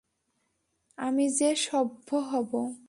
আমি যে সভ্য হব।